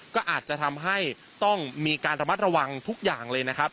ก็อาจจะทำให้ต้องมีการระมัดระวังทุกอย่างเลยนะครับ